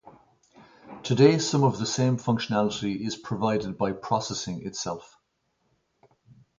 Today some of the same functionality is provided by Processing itself.